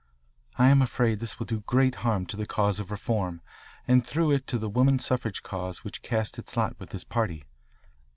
I am afraid this will do great harm to the cause of reform and through it to the woman suffrage cause which cast its lot with this party.